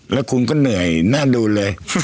แล้วคุณก็เหนื่อยน่าดูเลย